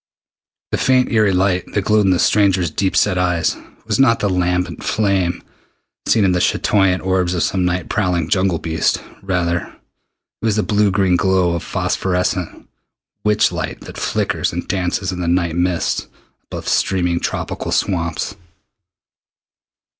The faint eery light that glowed in the stranger's deep set eyes was not the lambent flame seen in the chatoyant orbs of some night prowling jungle beast. Rather was it the blue green glow of phosphorescent witch light that flickers and dances in the night mists above steaming tropical swamps.